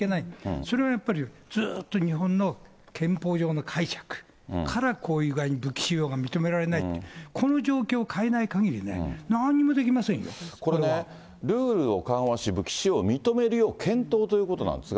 それはやっぱりずっと日本の憲法上の解釈からこういう具合に武器使用を認められないって、この状況を変えないかぎりね、これね、ルールを緩和し、武器使用を認めるよう検討ということなんですが。